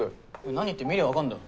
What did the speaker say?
何って見りゃ分かんだろ。